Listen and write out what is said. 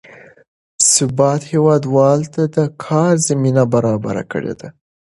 ثبات هېوادوالو ته د کار زمینه برابره کړې ده.